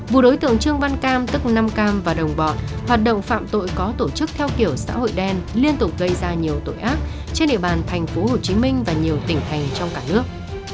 vụ đối tượng trương văn cam tức năm cam và đồng bọn hoạt động phạm tội có tổ chức theo kiểu xã hội đen liên tục gây ra nhiều tội ác trên địa bàn thành phố hồ chí minh và nhiều tỉnh thành trong cả nước